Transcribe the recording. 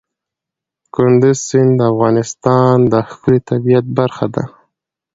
کندز سیند د افغانستان د ښکلي طبیعت برخه ده.